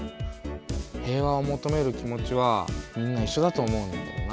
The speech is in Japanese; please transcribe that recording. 平和を求める気持ちはみんないっしょだと思うんだけどな。